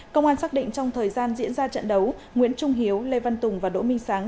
công an xác định trong thời gian diễn ra trận đấu nguyễn trung hiếu lê văn tùng và đỗ minh sáng